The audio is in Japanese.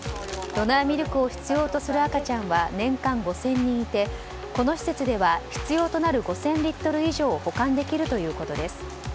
ドナーミルクを必要する赤ちゃんは年間５０００人いてこの施設では、必要となる５０００リットル以上を保管できるということです。